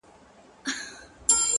اې گوره تاته وايم ـ